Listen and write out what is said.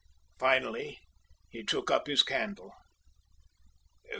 Finally, he took up his candle.